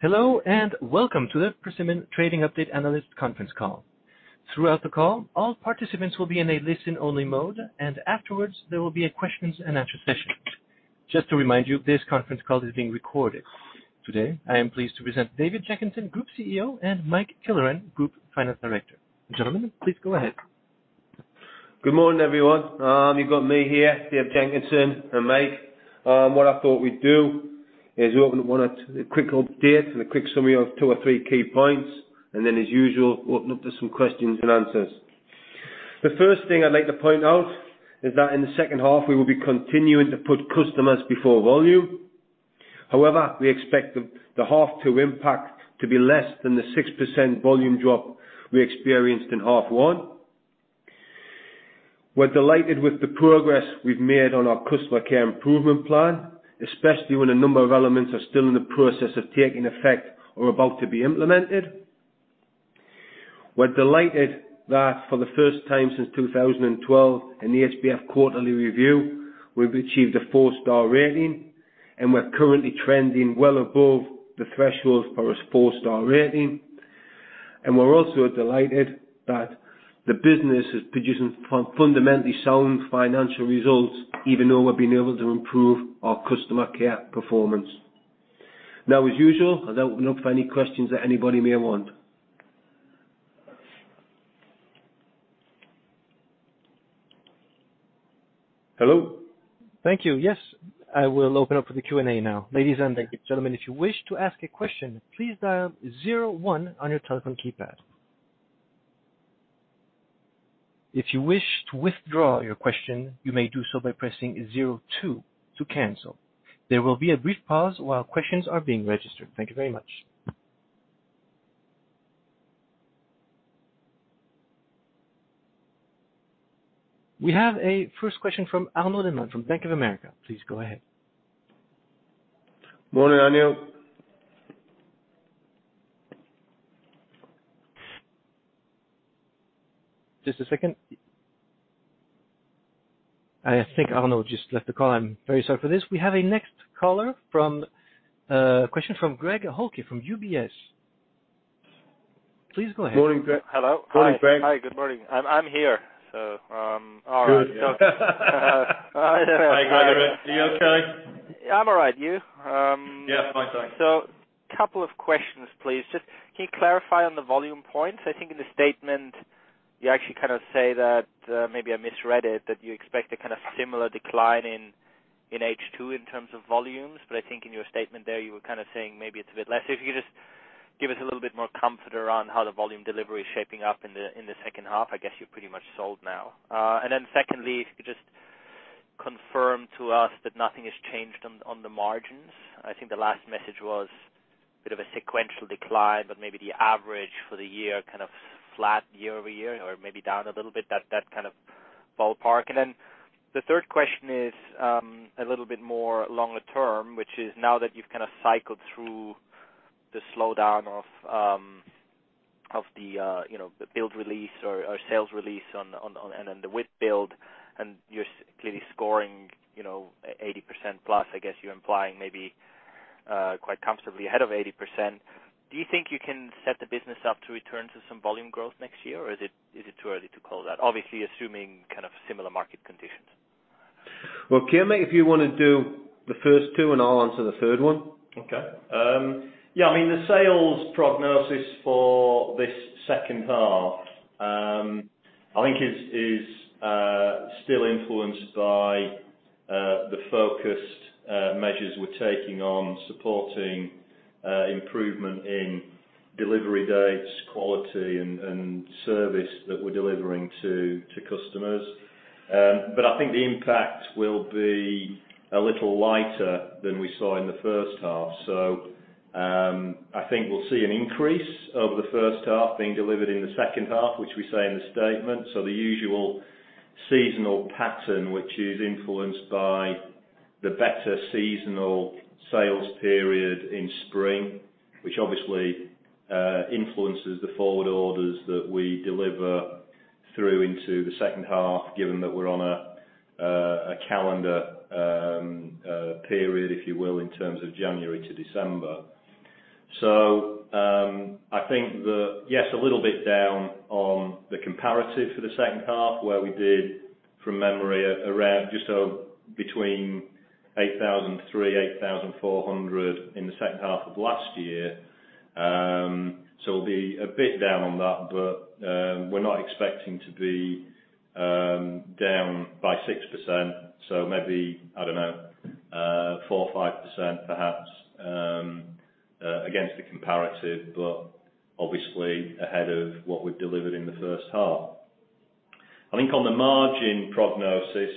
Hello, welcome to the Persimmon Trading Update Analyst Conference Call. Throughout the call, all participants will be in a listen-only mode. Afterwards there will be a questions and answer session. Just to remind you, this conference call is being recorded. Today, I am pleased to present David Jenkinson, Group CEO, and Mike Killoran, Group Finance Director. Gentlemen, please go ahead. Good morning, everyone. You've got me here, Dave Jenkinson, and Mike. What I thought we'd do is we'll open with a quick update and a quick summary of two or three key points, and then, as usual, open up to some questions and answers. The first thing I'd like to point out is that in the second half, we will be continuing to put customers before volume. We expect the half two impact to be less than the 6% volume drop we experienced in half one. We're delighted with the progress we've made on our customer care improvement plan, especially when a number of elements are still in the process of taking effect or about to be implemented. We're delighted that for the first time since 2012, in the HBF quarterly review, we've achieved a four-star rating. We're currently trending well above the threshold for a four-star rating. We're also delighted that the business is producing fundamentally sound financial results, even though we're being able to improve our customer care performance. Now, as usual, I'll open up for any questions that anybody may want. Hello? Thank you. Yes, I will open up for the Q&A now. Thank you. Ladies and gentlemen, if you wish to ask a question, please dial zero one on your telephone keypad. If you wish to withdraw your question, you may do so by pressing zero two to cancel. There will be a brief pause while questions are being registered. Thank you very much. We have a first question from Arnaud Demart from Bank of America. Please go ahead. Morning, Arnaud. Just a second. I think Arnaud just left the call. I'm very sorry for this. We have a question from Greg Halki from UBS. Please go ahead. Morning, Greg. Hello. Morning, Greg. Hi. Good morning. I'm here, so all right. Hi, Greg. Are you okay? I'm all right. You? Yeah, fine thanks. A couple of questions, please. Just can you clarify on the volume points? I think in the statement you actually kind of say that, maybe I misread it, that you expect a kind of similar decline in H2 in terms of volumes. I think in your statement there, you were kind of saying maybe it's a bit less. If you could just give us a little bit more comfort around how the volume delivery is shaping up in the second half. I guess you're pretty much sold now. Secondly, if you could just confirm to us that nothing has changed on the margins. I think the last message was a bit of a sequential decline, but maybe the average for the year kind of flat year-over-year or maybe down a little bit, that kind of ballpark. The third question is a little bit more longer term, which is now that you've kind of cycled through the slowdown of the build release or sales release and then the WIP build, and you're clearly scoring 80% plus, I guess you're implying maybe quite comfortably ahead of 80%. Do you think you can set the business up to return to some volume growth next year, or is it too early to call that? Obviously, assuming kind of similar market conditions. Well, Killoran, maybe if you want to do the first two, and I'll answer the third one. Okay. Yeah, the sales prognosis for this second half, I think is still influenced by the focused measures we're taking on supporting improvement in delivery dates, quality, and service that we're delivering to customers. I think the impact will be a little lighter than we saw in the first half. I think we'll see an increase of the first half being delivered in the second half, which we say in the statement. The usual seasonal pattern, which is influenced by the better seasonal sales period in spring, which obviously influences the forward orders that we deliver through into the second half, given that we're on a calendar period, if you will, in terms of January to December. I think the Yes, a little bit down on the comparative for the second half, where we did, from memory, around just between 8,300-8,400 in the second half of last year. We'll be a bit down on that, but we're not expecting to be down by 6%. Maybe, I don't know, 4% or 5% perhaps, against the comparative, but obviously ahead of what we delivered in the first half. I think on the margin prognosis,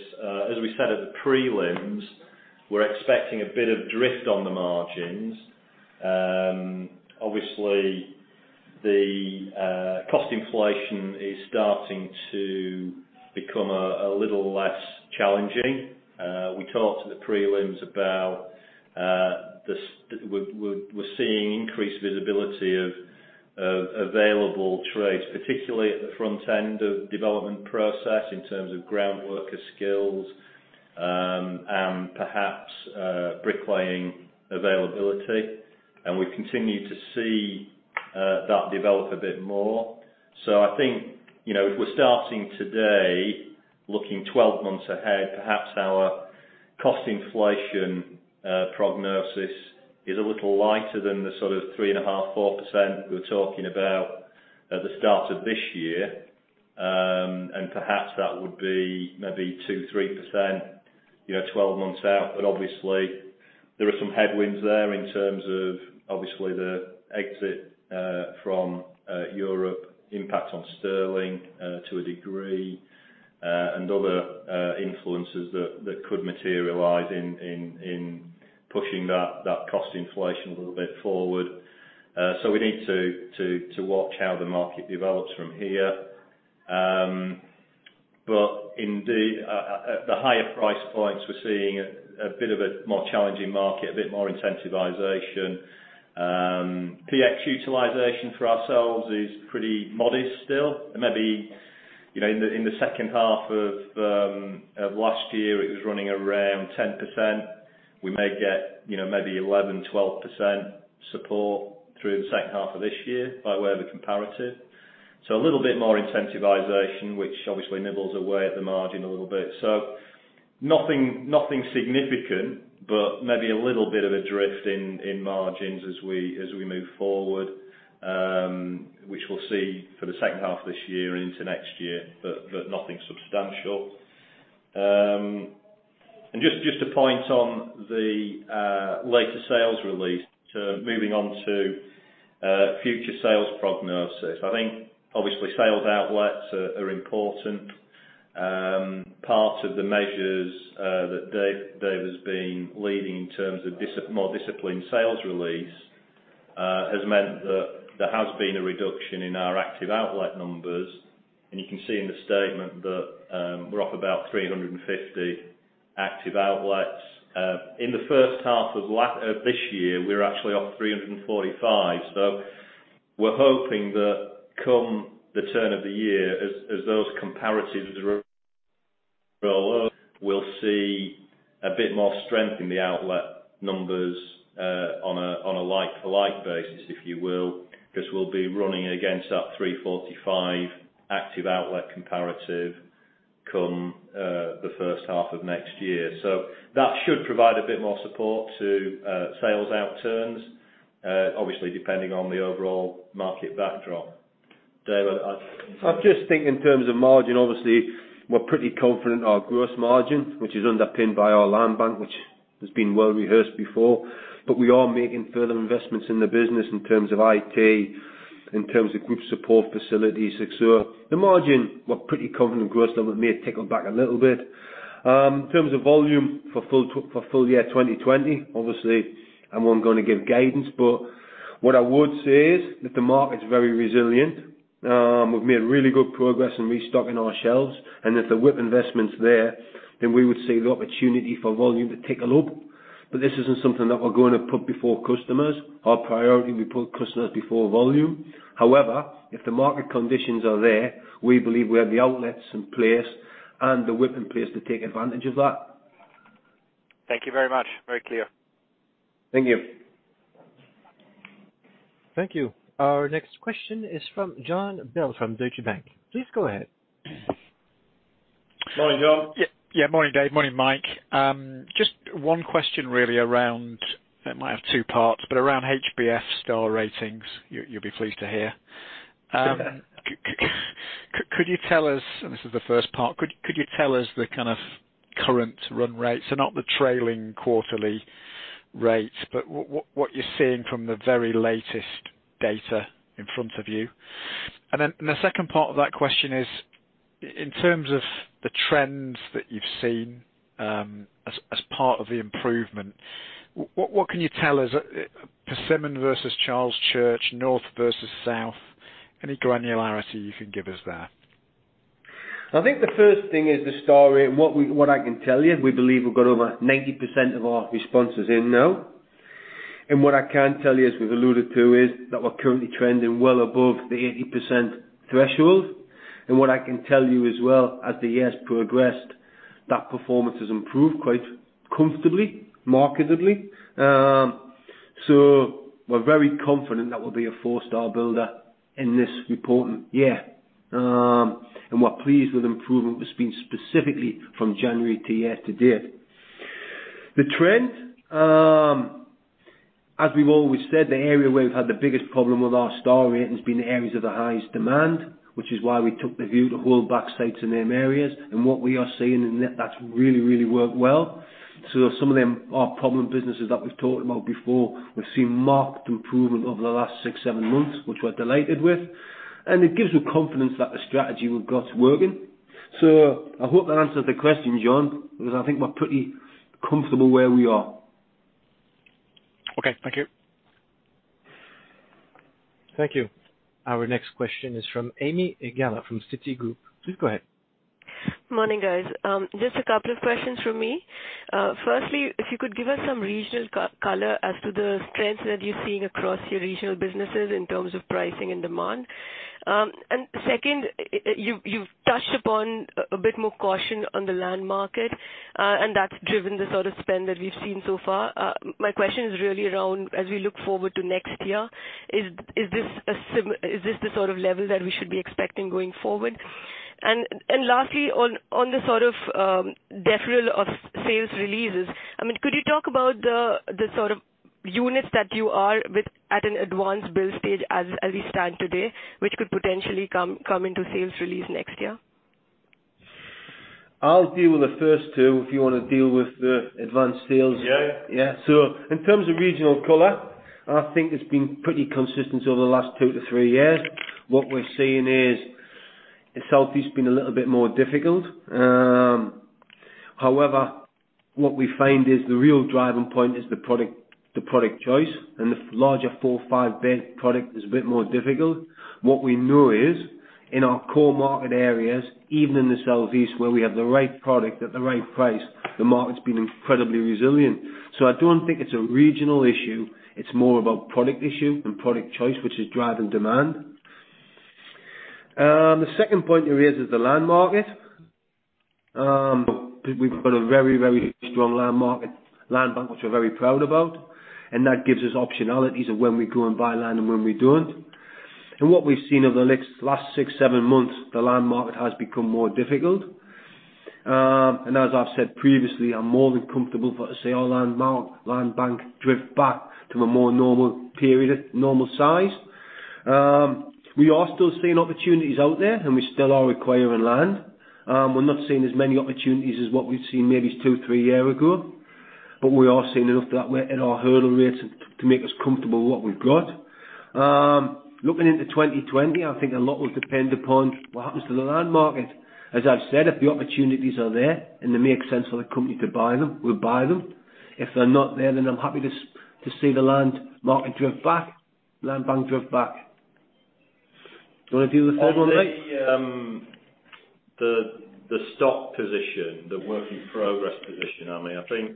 as we said at the prelims, we're expecting a bit of drift on the margins. Obviously, the cost inflation is starting to become a little less challenging. We talked at the prelims about we're seeing increased visibility of available trades, particularly at the front end of development process in terms of ground worker skills and perhaps bricklaying availability. We continue to see that develop a bit more. I think, if we're starting today, looking 12 months ahead, perhaps our cost inflation prognosis is a little lighter than the sort of 3.5%, 4% we were talking about at the start of this year. Perhaps that would be maybe 2%, 3%, 12 months out. Obviously, there are some headwinds there in terms of the exit from Europe, impact on sterling to a degree, and other influences that could materialize in pushing that cost inflation a little bit forward. We need to watch how the market develops from here. Indeed, at the higher price points, we're seeing a bit of a more challenging market, a bit more incentivization. PX utilization for ourselves is pretty modest still. Maybe in the second half of last year, it was running around 10%. We may get maybe 11%-12% support through the second half of this year by way of a comparative. A little bit more incentivization, which obviously nibbles away at the margin a little bit. Nothing significant, but maybe a little bit of a drift in margins as we move forward, which we'll see for the second half of this year into next year. Nothing substantial. Just to point on the later sales release to moving on to future sales prognosis. I think obviously sales outlets are important. Part of the measures that Dave has been leading in terms of more disciplined sales release has meant that there has been a reduction in our active outlet numbers. You can see in the statement that we're up about 350 active outlets. In the first half of this year, we were actually off 345. We're hoping that come the turn of the year, as those comparatives roll out, we'll see a bit more strength in the outlet numbers on a like basis, if you will, because we'll be running against that 345 active outlet comparative come the first half of next year. That should provide a bit more support to sales outturns, obviously depending on the overall market backdrop. David. I just think in terms of margin, obviously, we're pretty confident our gross margin, which is underpinned by our land bank, which has been well rehearsed before, we are making further investments in the business in terms of IT, in terms of group support facilities. The margin, we're pretty confident gross that may tickle back a little bit. In terms of volume for full year 2020, obviously, I won't going to give guidance, what I would say is that the market's very resilient. We've made really good progress in restocking our shelves, if the WIP investment's there, we would see the opportunity for volume to tickle up. This isn't something that we're going to put before customers. Our priority will be put customers before volume. However, if the market conditions are there, we believe we have the outlets in place and the WIP in place to take advantage of that. Thank you very much. Very clear. Thank you. Thank you. Our next question is from Jon Bell from Deutsche Bank. Please go ahead. Morning, Jon. Yeah, morning, Dave. Morning, Mike. Just one question really around HBF star ratings, you'll be pleased to hear. Could you tell us, and this is the first part, the kind of current run rates, so not the trailing quarterly rates, but what you're seeing from the very latest data in front of you? The second part of that question is, in terms of the trends that you've seen, as part of the improvement, what can you tell us, Persimmon versus Charles Church, North versus South? Any granularity you can give us there? I think the first thing is the story and what I can tell you, we believe we've got over 90% of our responses in now. What I can tell you, as we've alluded to, is that we're currently trending well above the 80% threshold. What I can tell you as well, as the year's progressed, that performance has improved quite comfortably, markedly. We're very confident that we'll be a four-star builder in this reporting year. We're pleased with improvement that's been specifically from January to yesterday. The trend, as we've always said, the area where we've had the biggest problem with our star rating has been the areas of the highest demand, which is why we took the view to hold back sites in them areas. What we are seeing is that's really, really worked well. Some of them are problem businesses that we've talked about before. We've seen marked improvement over the last six, seven months, which we're delighted with. It gives me confidence that the strategy we've got is working. I hope that answers the question, John, because I think we're pretty comfortable where we are. Okay. Thank you. Thank you. Our next question is from Ami Galla from Citigroup. Please go ahead. Morning, guys, just a couple of questions from me. Firstly, if you could give us some regional color as to the strengths that you're seeing across your regional businesses in terms of pricing and demand. Second, you've touched upon a bit more caution on the land market, and that's driven the sort of spend that we've seen so far. My question is really around as we look forward to next year, is this the sort of level that we should be expecting going forward? Lastly, on the sort of deferral of sales releases, could you talk about the sort of units that you are with at an advanced build stage as we stand today, which could potentially come into sales release next year? I'll deal with the first two if you want to deal with the advanced sales. Yeah. Yeah. In terms of regional color, I think it's been pretty consistent over the last two to three years. What we're seeing is the South East been a little bit more difficult. However, what we find is the real driving point is the product choice, and the larger 4, 5-bed product is a bit more difficult. What we know is, in our core market areas, even in the South East, where we have the right product at the right price, the market's been incredibly resilient. I don't think it's a regional issue; it's more about product issue and product choice, which is driving demand. The second point you raised is the land market. We've got a very, very strong land bank, which we're very proud about, and that gives us optionalities of when we go and buy land and when we don't. What we've seen over the last six, seven months, the land market has become more difficult. As I've said previously, I'm more than comfortable for, say, our land bank drift back to a more normal period, normal size. We are still seeing opportunities out there, and we still are acquiring land. We're not seeing as many opportunities as what we've seen maybe two, three year ago, but we are seeing enough that we're at our hurdle rates to make us comfortable what we've got. Looking into 2020, I think a lot will depend upon what happens to the land market. As I've said, if the opportunities are there and they make sense for the company to buy them, we'll buy them. If they're not there, then I'm happy to see the land market drift back, land bank drift back. Do you want to do the third one, mate? On the stock position, the work in progress position, Ami, I think,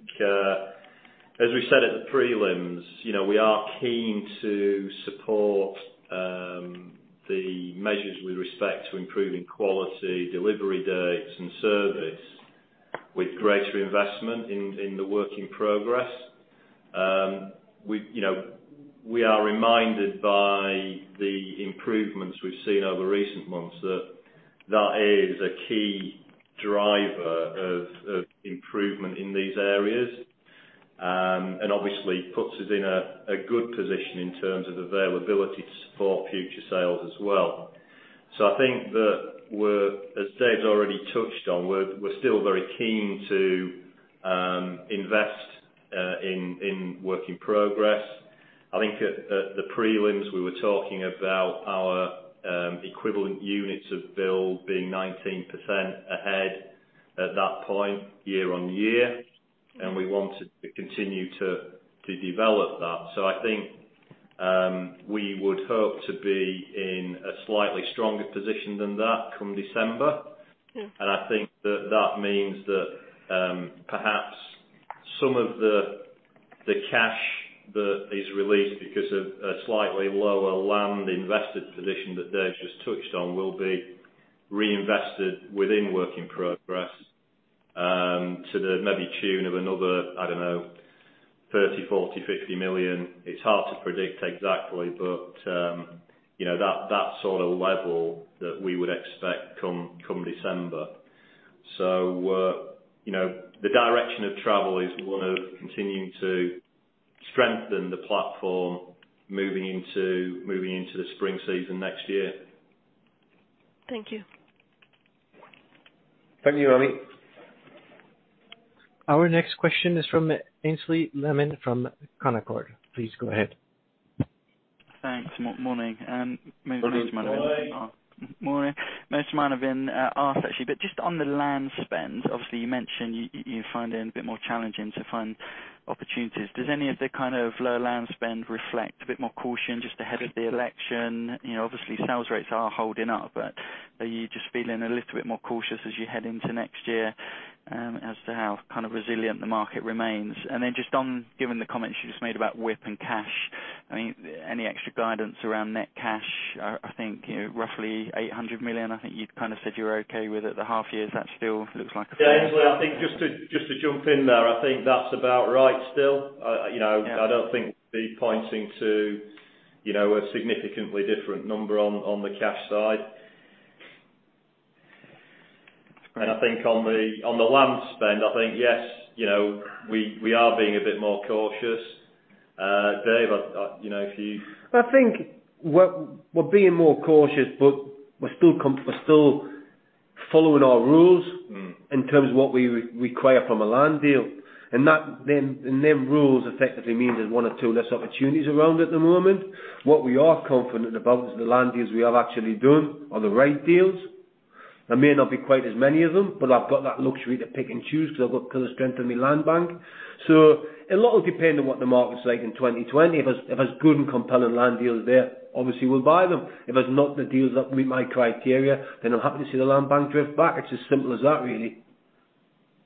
as we said at the prelims, we are keen to support the measures with respect to improving quality, delivery dates, and service with greater investment in the work in progress. We are reminded by the improvements we've seen over recent months that that is a key driver of improvement in these areas, and obviously puts us in a good position in terms of availability to support future sales as well. I think that we're, as Dave's already touched on, we're still very keen to invest in work in progress. I think at the prelims, we were talking about our equivalent units of build being 19% ahead at that point, year-on-year, and we wanted to continue to develop that. I think we would hope to be in a slightly stronger position than that come December. I think that means that perhaps some of the cash that is released because of a slightly lower land invested position that Dave just touched on will be reinvested within work in progress, to the maybe tune of another, I don't know, 30 million, 40 million, 50 million. It's hard to predict exactly, but that sort of level that we would expect come December. The direction of travel is we want to continue to strengthen the platform moving into the spring season next year. Thank you. Thank you, Ami. Our next question is from Aynsley Lammin from Canaccord. Please go ahead. Thanks. Morning. Morning. Morning. Most might have been asked, actually, but just on the land spend, obviously, you mentioned you're finding it a bit more challenging to find opportunities. Does any of the kind of low land spend reflect a bit more caution just ahead of the election? Obviously, sales rates are holding up, but are you just feeling a little bit more cautious as you head into next year as to how kind of resilient the market remains? Just on, given the comments you just made about WIP and cash, any extra guidance around net cash? I think roughly 800 million, I think you'd kind of said you were okay with at the half year. Is that still looks like Yeah. I think just to jump in there, I think that's about right still. Yeah. I don't think we'd be pointing to a significantly different number on the cash side. I think on the land spend, I think, yes, we are being a bit more cautious. Dave, if you I think we're being more cautious, but we're still following our rules. -in terms of what we require from a land deal. Them rules effectively mean there's one or two less opportunities around at the moment. What we are confident about is the land deals we have actually done are the right deals. There may not be quite as many of them, but I've got that luxury to pick and choose because I've got the strength of my land bank. A lot will depend on what the market's like in 2020. If there's good and compelling land deals there, obviously we'll buy them. If it's not the deals that meet my criteria, then I'm happy to see the land bank drift back. It's as simple as that, really.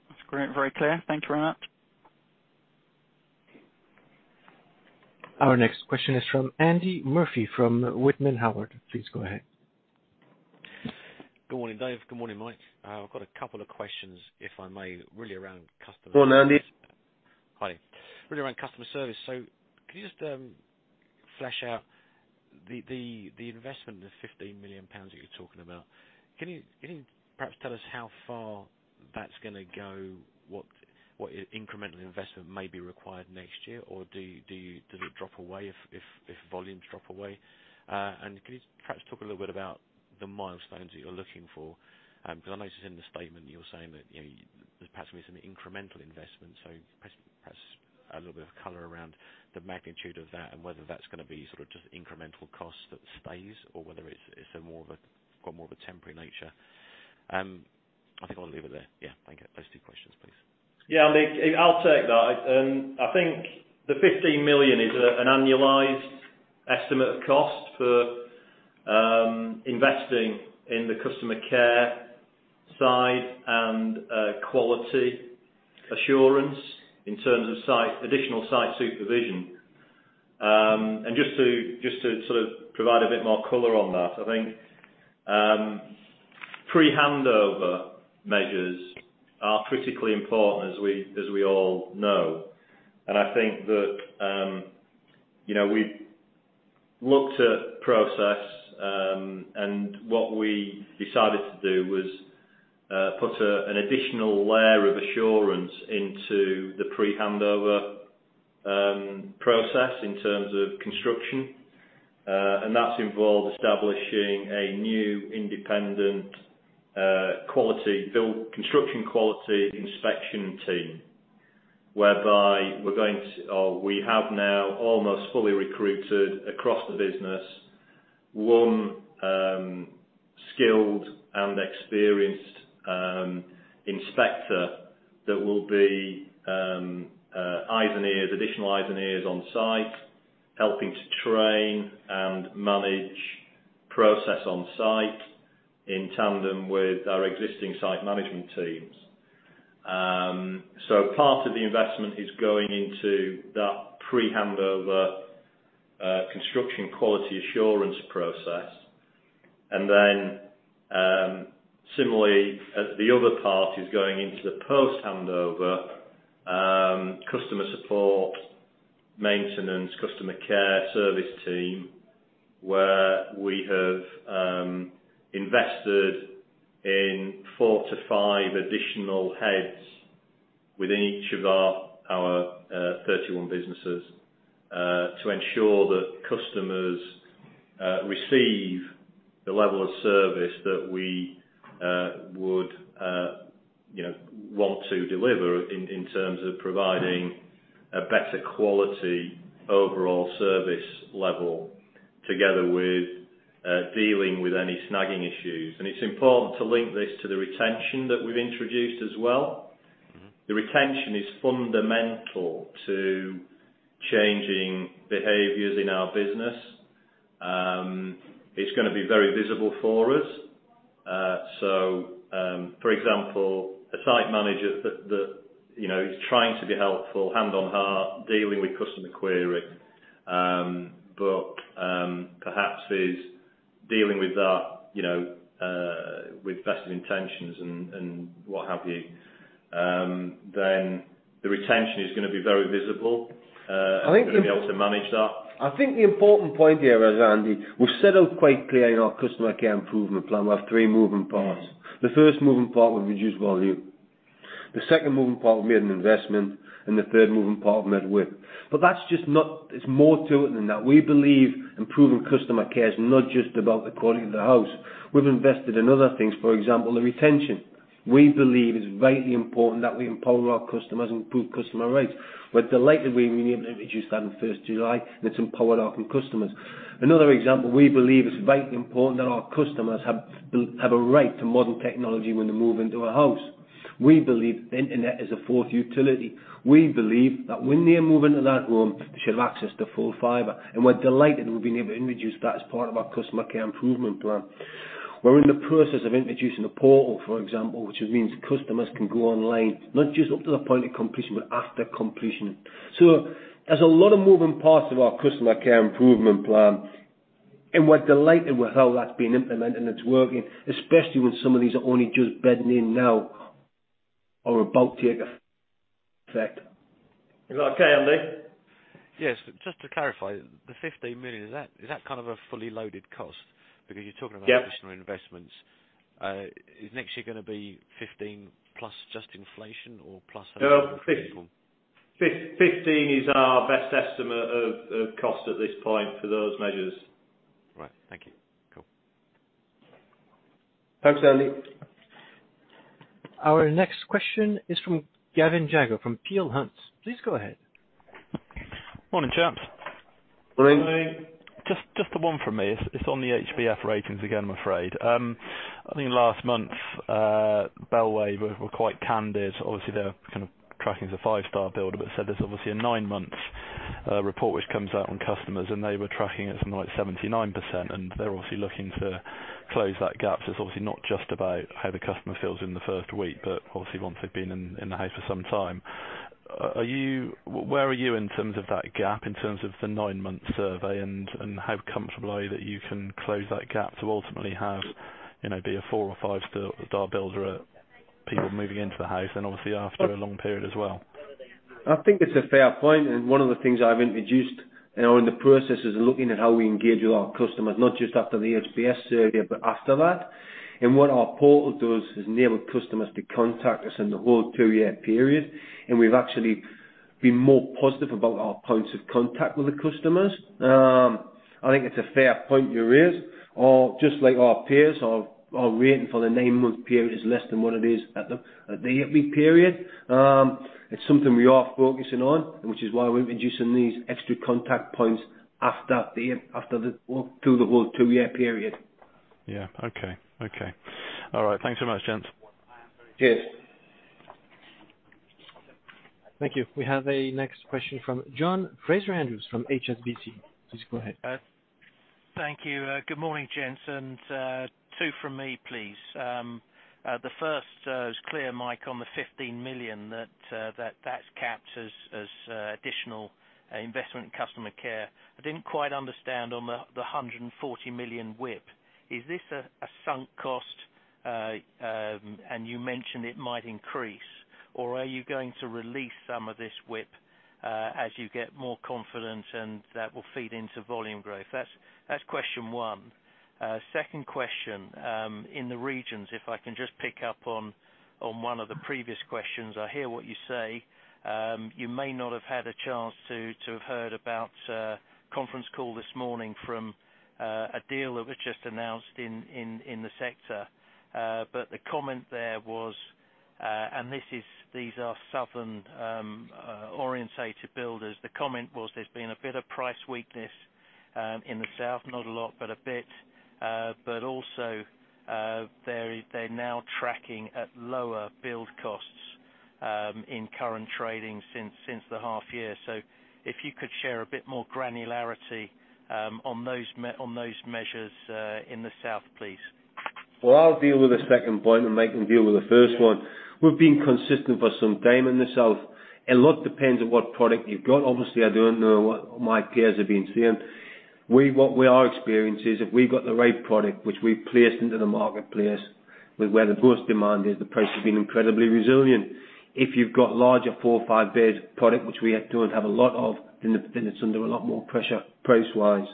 That's great. Very clear. Thank you for that. Our next question is from Andy Murphy from Whitman Howard. Please go ahead. Good morning, Dave. Good morning, Mike. I've got a couple of questions, if I may, really around customer service. Good morning, Andy. Hi. Really around customer service. Can you just flesh out the investment of 15 million pounds that you're talking about. Can you perhaps tell us how far that's going to go? What incremental investment may be required next year? Does it drop away if volumes drop away? Could you perhaps talk a little bit about the milestones that you're looking for? I noticed in the statement you're saying that there perhaps may be some incremental investment, so perhaps a little bit of color around the magnitude of that and whether that's going to be sort of just incremental cost that stays or whether it's got more of a temporary nature. I think I'll leave it there. Yeah, thank you. Those two questions, please. Yeah, Andy, I'll take that. I think the 15 million is an annualized estimate of cost for investing in the customer care side and quality assurance in terms of additional site supervision. Just to sort of provide a bit more color on that, I think pre-handover measures are critically important as we all know. I think that we looked at process, and what we decided to do was put an additional layer of assurance into the pre-handover process in terms of construction. That's involved establishing a new independent construction quality inspection team, whereby we have now almost fully recruited across the business one skilled and experienced inspector that will be additional eyes and ears on site, helping to train and manage process on site in tandem with our existing site management teams. Part of the investment is going into that pre-handover construction quality assurance process, and then similarly, the other part is going into the post-handover customer support, maintenance, customer care service team, where we have invested in 4 to 5 additional heads within each of our 31 businesses to ensure that customers receive the level of service that we would want to deliver in terms of providing a better quality overall service level together with dealing with any snagging issues. It's important to link this to the retention that we've introduced as well. The retention is fundamental to changing behaviors in our business. It's going to be very visible for us. For example, a site manager that is trying to be helpful, hand on heart, dealing with customer query, but perhaps is dealing with that with vested intentions and what have you. The retention is going to be very visible, and we're going to be able to manage that. I think the important point here is, Andy, we've set out quite clear in our customer care improvement plan. We have three moving parts. The first moving part, we've reduced volume. The second moving part, we made an investment, and the third moving part, we made WIP. There's more to it than that. We believe improving customer care is not just about the quality of the house. We've invested in other things, for example, the retention. We believe it's vitally important that we empower our customers and improve customer rates. We're delighted we were able to introduce that on the first of July, and it's empowered our customers. Another example, we believe it's vitally important that our customers have a right to modern technology when they move into a house. We believe internet is a fourth utility. We believe that when they move into that home, they should have access to full-fibre, and we're delighted that we've been able to introduce that as part of our customer care improvement plan. We're in the process of introducing a portal, for example, which means customers can go online, not just up to the point of completion, but after completion. There's a lot of moving parts of our customer care improvement plan, and we're delighted with how that's been implemented, and it's working, especially when some of these are only just bedding in now or about to take effect. Is that okay, Andy? Yes. Just to clarify, the 15 million, is that kind of a fully loaded cost? Yep additional investments. Is next year going to be 15 plus just inflation or plus? No. 15 is our best estimate of cost at this point for those measures. Right. Thank you. Cool. Thanks, Andy. Our next question is from Gavin Jago, from Peel Hunt. Please go ahead. Morning, chaps. Morning. Morning. Just the one from me. It's on the HBF ratings again, I'm afraid. I think last month, Bellway were quite candid. They're kind of tracking as a 5-star builder, but said there's obviously a 9-month report which comes out on customers, and they were tracking at something like 79%, and they're obviously looking to close that gap. It's obviously not just about how the customer feels in the first week, but obviously once they've been in the house for some time. Where are you in terms of that gap, in terms of the 9-month survey, and how comfortable are you that you can close that gap to ultimately have, be a 4 or 5-star builder at people moving into the house and obviously after a long period as well? I think it's a fair point, and one of the things I've introduced and are in the process is looking at how we engage with our customers, not just after the HBF survey, but after that. What our portal does is enable customers to contact us in the whole two-year period, and we've actually been more positive about our points of contact with the customers. I think it's a fair point you raise. Just like our peers, our rating for the nine-month period is less than what it is at the yearly period. It's something we are focusing on, which is why we're introducing these extra contact points through the whole two-year period. Yeah. Okay. All right. Thanks so much, gents. Cheers. Thank you. We have a next question from John Fraser-Andrews from HSBC. Please go ahead. Thank you. Good morning, gents, and two from me, please. The first is Kieran, Mike, on the 15 million that's capped as additional investment in customer care. I didn't quite understand on the 140 million WIP. Is this a sunk cost? You mentioned it might increase, or are you going to release some of this WIP, as you get more confident and that will feed into volume growth? That's question one. Second question, in the regions, if I can just pick up on one of the previous questions. I hear what you say. You may not have had a chance to have heard about a conference call this morning from a deal that was just announced in the sector. The comment there was These are southern-oriented builders. The comment was there's been a bit of price weakness in the south. Not a lot, but a bit. Also, they're now tracking at lower build costs, in current trading since the half year. If you could share a bit more granularity on those measures in the south, please. I'll deal with the second point and Mike can deal with the first one. We've been consistent for some time in the south. A lot depends on what product you've got. Obviously, I don't know what my peers have been seeing. What we are experiencing is if we've got the right product, which we've placed into the marketplace with where the most demand is, the price has been incredibly resilient. If you've got larger four or five-bed product, which we don't have a lot of, then it's under a lot more pressure price-wise.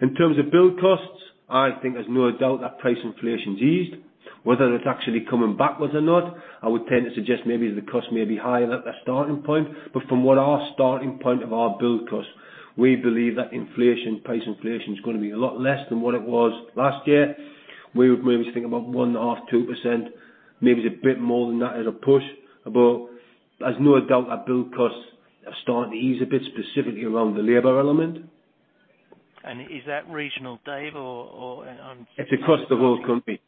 In terms of build costs, I think there's no doubt that price inflation's eased. Whether it's actually coming backwards or not, I would tend to suggest maybe the cost may be higher at the starting point, but from what our starting point of our build cost, we believe that inflation, price inflation, is going to be a lot less than what it was last year. We would maybe think about 1.5%, 2%, maybe a bit more than that at a push. There's no doubt that build costs are starting to ease a bit, specifically around the labor element. Is that regional, Dave, or I'm assuming? It's across the whole company.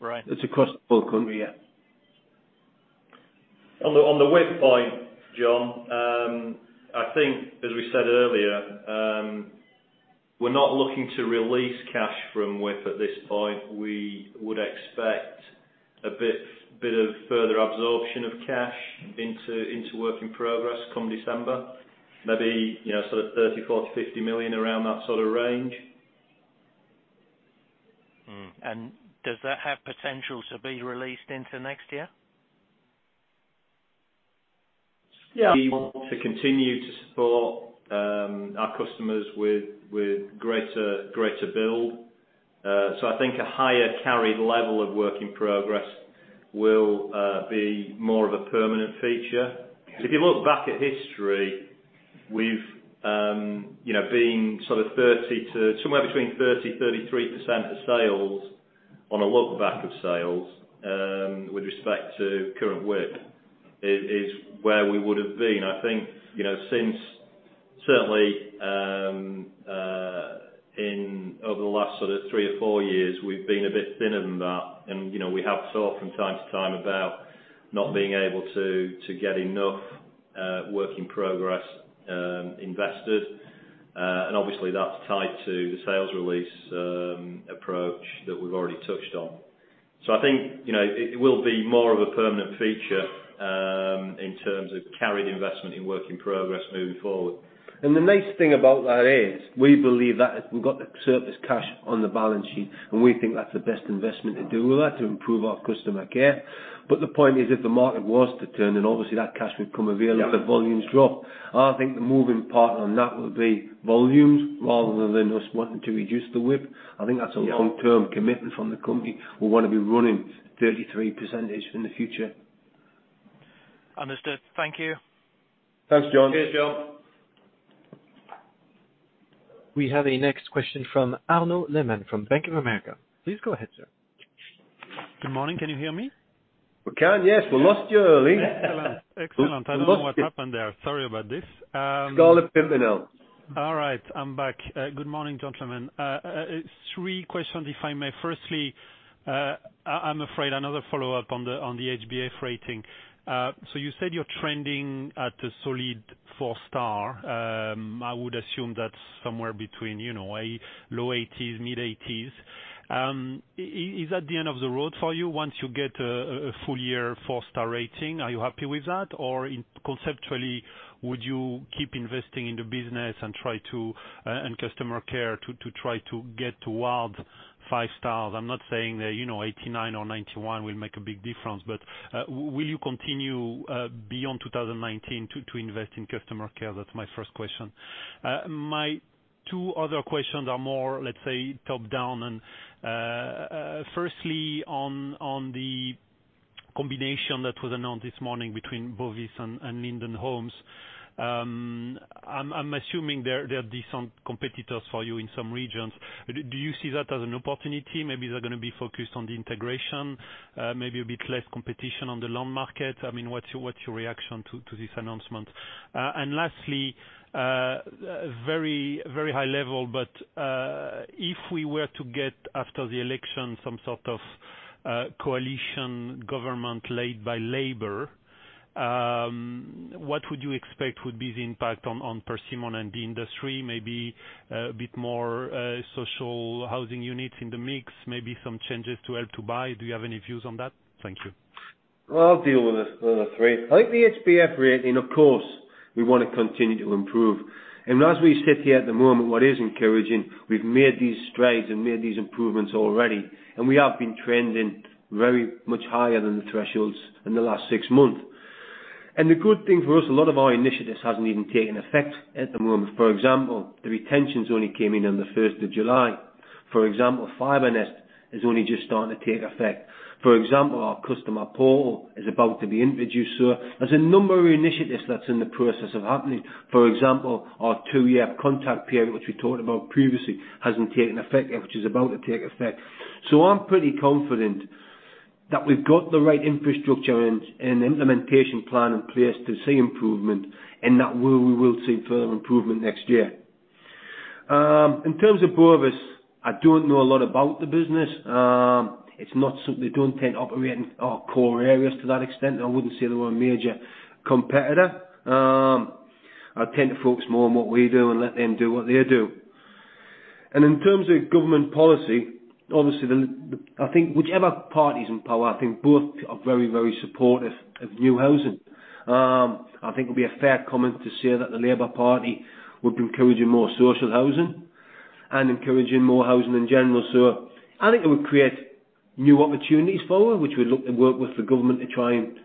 Right. It's across the whole company, yeah. On the WIP point, John, I think as we said earlier, we are not looking to release cash from WIP at this point. We would expect a bit of further absorption of cash into work in progress come December. Maybe sort of 30 million, 40 million, 50 million around that sort of range. Does that have potential to be released into next year? We want to continue to support our customers with greater build. I think a higher carried level of work in progress will be more of a permanent feature. If you look back at history, we've somewhere between 30, 33% of sales on a look-back of sales, with respect to current WIP is where we would have been. I think, since certainly, over the last sort of 3 or 4 years, we've been a bit thinner than that. We have talked from time to time about not being able to get enough work in progress invested. Obviously that's tied to the sales release approach that we've already touched on. I think it will be more of a permanent feature, in terms of carried investment in work in progress moving forward. The nice thing about that is we believe that we've got the surplus cash on the balance sheet, and we think that's the best investment to do. We like to improve our customer care. The point is, if the market was to turn, then obviously that cash would come available. Yeah if the volumes drop. I think the moving part on that would be volumes rather than us wanting to reduce the WIP. I think that's a long-term commitment from the company. We want to be running 33% in the future. Understood. Thank you. Thanks, John. Cheers, John. We have a next question from Arnaud Lehmann of Bank of America. Please go ahead, sir. Good morning. Can you hear me? We can, yes. We lost you earlier. Excellent. I don't know what happened there. Sorry about this. It's called a piminal. All right. I'm back. Good morning, gentlemen. Three questions if I may. Firstly, I'm afraid another follow-up on the HBF rating. You said you're trending at a solid 4-star. I would assume that's somewhere between low 80s, mid-80s. Is that the end of the road for you once you get a full year 4-star rating? Are you happy with that? Conceptually, would you keep investing in the business and customer care to try to get towards five stars? I'm not saying that 89 or 91 will make a big difference, will you continue beyond 2019 to invest in customer care? That's my first question. My two other questions are more, let's say, top-down. Firstly on the combination that was announced this morning between Bovis and Linden Homes. I'm assuming they are decent competitors for you in some regions. Do you see that as an opportunity? Maybe they're going to be focused on the integration, maybe a bit less competition on the land market. What's your reaction to this announcement? Lastly, very high level, if we were to get, after the election, some sort of coalition government led by Labour, what would you expect would be the impact on Persimmon and the industry? Maybe a bit more social housing units in the mix, maybe some changes to Help to Buy. Do you have any views on that? Thank you. Well, I'll deal with the three. I think the HBF rating, of course, we want to continue to improve. As we sit here at the moment, what is encouraging, we've made these strides and made these improvements already, and we have been trending very much higher than the thresholds in the last six months. The good thing for us, a lot of our initiatives hasn't even taken effect at the moment. For example, the retention has only came in on the 1st of July. For example, FibreNest has only just started to take effect. For example, our customer portal is about to be introduced. There's a number of initiatives that's in the process of happening. For example, our two-year contact period, which we talked about previously, hasn't taken effect yet, which is about to take effect. I'm pretty confident that we've got the right infrastructure and implementation plan in place to see improvement, and that we will see further improvement next year. In terms of Bovis, I don't know a lot about the business. They don't operate in our core areas to that extent. I wouldn't say they were a major competitor. I tend to focus more on what we do and let them do what they do. In terms of government policy, obviously, I think whichever party is in power, I think both are very, very supportive of new housing. I think it would be a fair comment to say that the Labour Party would be encouraging more social housing and encouraging more housing in general. I think it would create new opportunities for us, which we look to work with the government to try and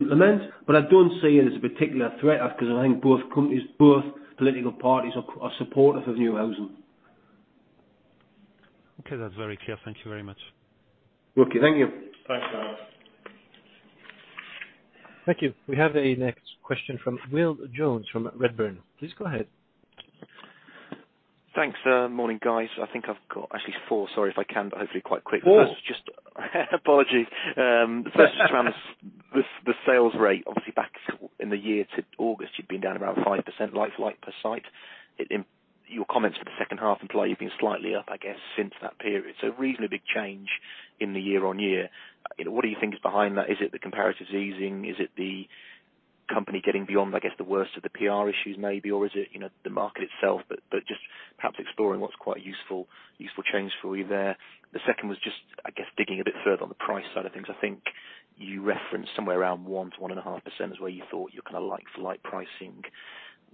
implement. I don't see it as a particular threat because I think both companies, both political parties are supportive of new housing. Okay. That's very clear. Thank you very much. Okay. Thank you. Thanks, Arnaud. Thank you. We have a next question from Will Jones from Redburn. Please go ahead. Thanks. Morning, guys. I think I've got actually four. Sorry if I can't, but hopefully quite quick. Four. Apology. First around the sales rate. Obviously back in the year to August, you'd been down around 5% like-for-like per site. Your comments for the second half imply you've been slightly up, I guess, since that period. Reasonably big change in the year-on-year. What do you think is behind that? Is it the comparatives easing? Is it the company getting beyond, I guess, the worst of the PR issues maybe? Or is it the market itself? Just perhaps exploring what's quite a useful change for you there. The second was just, I guess, digging a bit further on the price side of things. I think you referenced somewhere around 1%-1.5% is where you thought your like-for-like pricing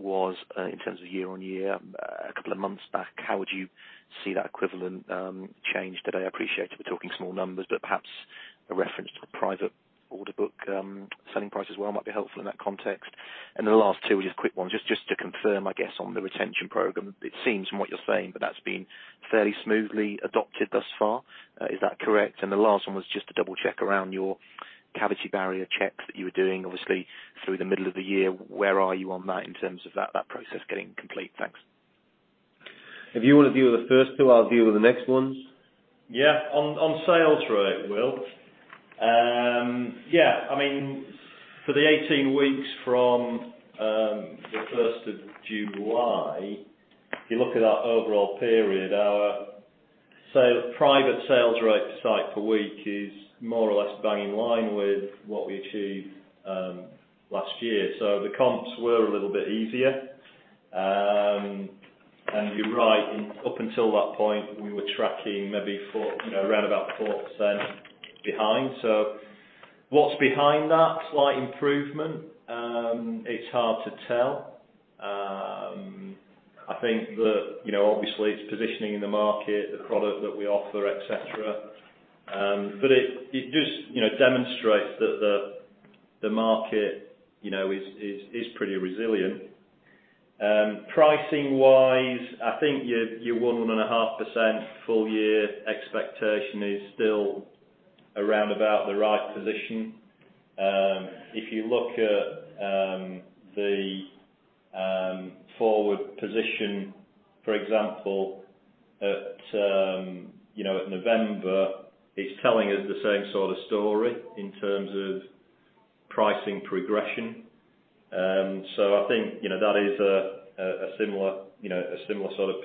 was in terms of year-on-year a couple of months back. How would you see that equivalent change today? I appreciate we're talking small numbers, but perhaps a reference to the private order book selling price as well might be helpful in that context. Then the last two, just quick ones. Just to confirm, I guess, on the retention program. It seems from what you're saying, but that's been fairly smoothly adopted thus far. Is that correct? The last one was just to double-check around your cavity barrier checks that you were doing, obviously through the middle of the year. Where are you on that in terms of that process getting complete? Thanks. If you want to deal with the first two, I'll deal with the next ones. On sales rate, Will. For the 18 weeks from the 1st of July, if you look at that overall period, our private sales rate site per week is more or less bang in line with what we achieved last year. The comps were a little bit easier. You're right. Up until that point, we were tracking maybe around about 4% behind. What's behind that slight improvement? It's hard to tell. I think that obviously it's positioning in the market, the product that we offer, et cetera. It just demonstrates that the market is pretty resilient. Pricing wise, I think your 1.5% full year expectation is still around about the right position. If you look at the forward position, for example, at November, it's telling us the same sort of story in terms of pricing progression. I think, that is a similar sort of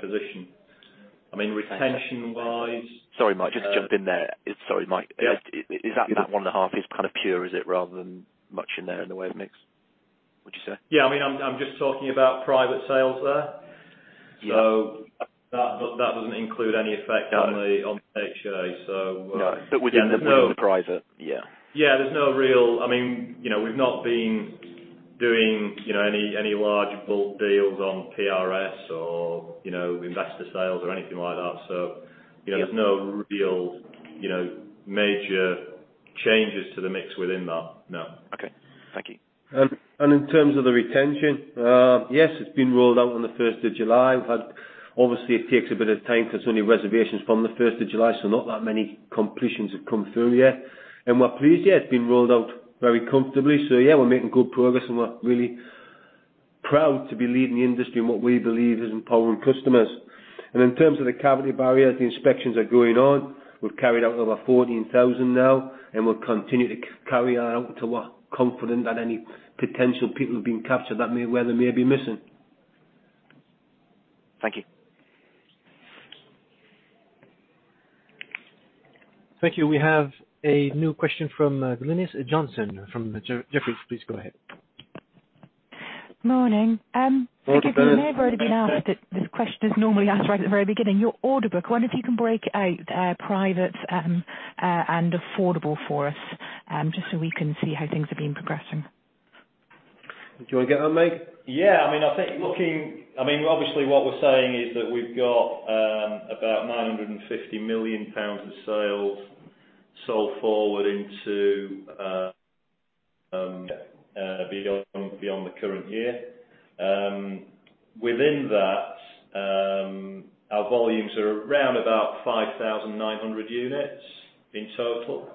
position. I mean, retention-wise. Sorry, Mike. Just to jump in there. Sorry, Mike. Yeah. Is that one-and-a-half is kind of pure, is it? Rather than much in there in the way of mix, would you say? Yeah. I'm just talking about private sales there. Yeah. That doesn't include any effect on the HA. No. Within the private. Yeah. Yeah. We've not been doing any large bulk deals on PRS or investor sales or anything like that. There's no real major changes to the mix within that, no. Okay. Thank you. In terms of the retention, yes, it's been rolled out on the 1st of July. Obviously, it takes a bit of time because there's only reservations from the 1st of July, so not that many completions have come through yet. We're pleased. Yeah. It's been rolled out very comfortably. Yeah, we're making good progress, and we're really proud to be leading the industry in what we believe is empowering customers. In terms of the cavity barriers, the inspections are going on. We've carried out over 14,000 now, and we'll continue to carry out until we're confident that any potential people have been captured that may, where they may be missing. Thank you. Thank you. We have a new question from Glynis Johnson from Jefferies. Please go ahead. Morning. Welcome, Glynis. Thank you for the opportunity to be asked that this question is normally asked right at the very beginning. Your order book. Wonder if you can break out private and affordable for us, just so we can see how things have been progressing. Do you want to get that, mate? Yeah. Obviously, what we are saying is that we have got about 950 million pounds of sales sold forward into beyond the current year. Within that, our volumes are around about 5,900 units in total,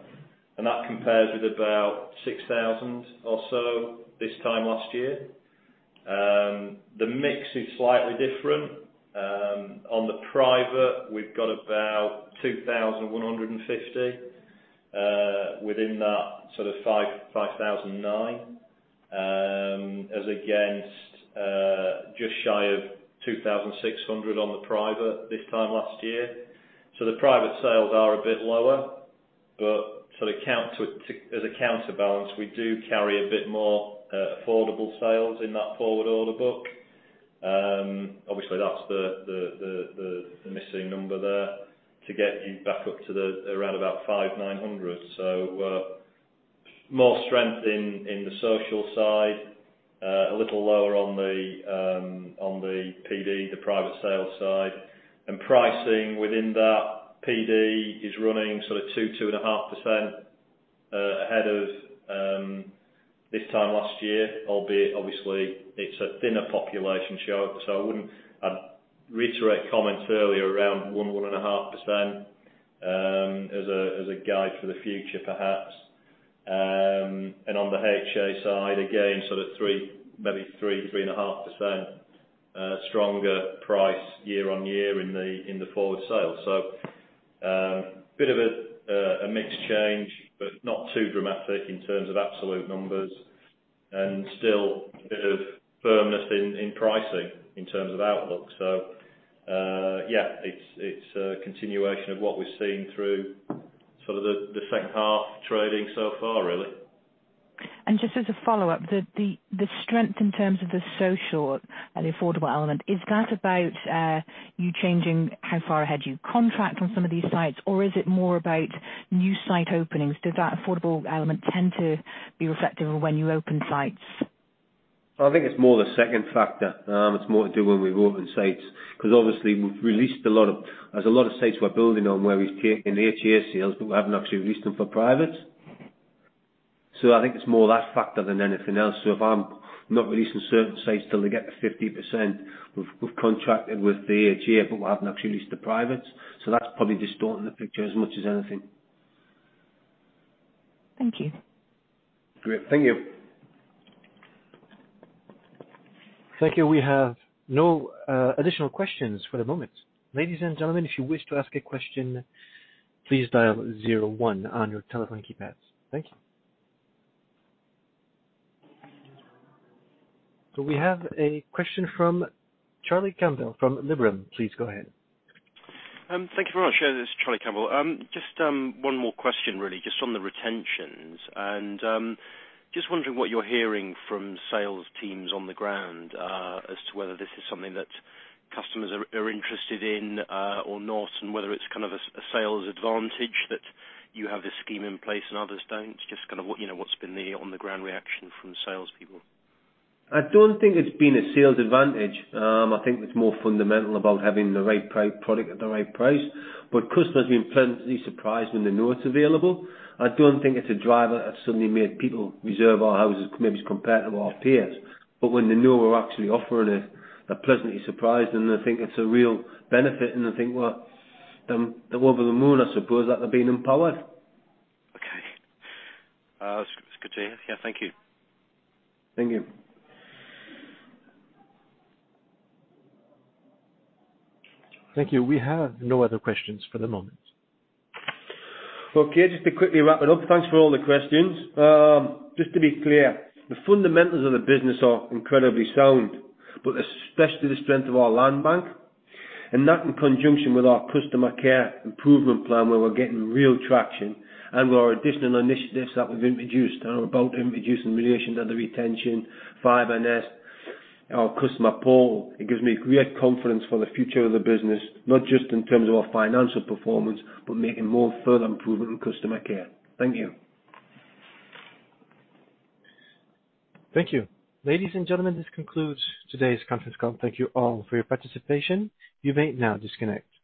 and that compares with about 6,000 or so this time last year. The mix is slightly different. On the private, we have got about 2,150 within that sort of 5,009, as against just shy of 2,600 on the private this time last year. The private sales are a bit lower, but as a counterbalance, we do carry a bit more affordable sales in that forward order book. Obviously, that is the missing number there to get you back up to around about 500. More strength in the social side, a little lower on the PD, the private sales side. Pricing within that PD is running sort of 2.5% ahead of this time last year, albeit obviously it's a thinner population show, I wouldn't reiterate comments earlier around 1.5% as a guide for the future perhaps. On the HA side, again, maybe 3.5% stronger price year-over-year in the forward sales. Bit of a mixed change, but not too dramatic in terms of absolute numbers, and still a bit of firmness in pricing in terms of outlook. Yeah, it's a continuation of what we've seen through the second half trading so far, really. Just as a follow-up, the strength in terms of the social and the affordable element, is that about you changing how far ahead you contract on some of these sites, or is it more about new site openings? Does that affordable element tend to be reflective of when you open sites? I think it's more the second factor. It's more to do when we've opened sites. Obviously, we've released a lot of sites we're building on where we've taken the HA sales, but we haven't actually released them for private. I think it's more of that factor than anything else. If I'm not releasing certain sites till they get to 50%, we've contracted with the HA, but we haven't actually released the private. That's probably distorting the picture as much as anything. Thank you. Great. Thank you. Thank you. We have no additional questions for the moment. Ladies and gentlemen, if you wish to ask a question, please dial zero one on your telephone keypads. Thank you. We have a question from Charlie Campbell from Liberum. Please go ahead. Thank you very much. This is Charlie Campbell. Just one more question, really. Just on the retentions. Just wondering what you're hearing from sales teams on the ground as to whether this is something that customers are interested in or not, and whether it's kind of a sales advantage that you have this scheme in place and others don't. Just what's been the on the ground reaction from salespeople? I don't think it's been a sales advantage. I think it's more fundamental about having the right product at the right price. Customers have been pleasantly surprised when they know it's available. I don't think it's a driver that suddenly made people reserve our houses maybe as compared to our peers. When they know we're actually offering it, they're pleasantly surprised, and they think it's a real benefit, and I think they're over the moon, I suppose, that they're being empowered. Okay. That's good to hear. Yeah, thank you. Thank you. Thank you. We have no other questions for the moment. Okay, just to quickly wrap it up. Thanks for all the questions. Just to be clear, the fundamentals of the business are incredibly sound. Especially the strength of our land bank, and that in conjunction with our customer care improvement plan, where we're getting real traction and with our additional initiatives that we've introduced are about introducing relations under retention, FibreNest, our customer portal. It gives me great confidence for the future of the business, not just in terms of our financial performance, but making more further improvement in customer care. Thank you. Thank you. Ladies and gentlemen, this concludes today's conference call. Thank you all for your participation. You may now disconnect.